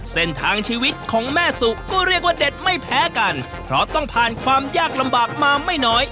เส้นทางชีวิตของแม่สุก็เรียกว่าเด็ดไม่แพ้กันเพราะต้องผ่านความยากลำบากมาไม่น้อย